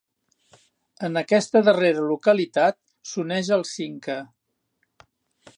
En aquesta darrera localitat, s'uneix al Cinca.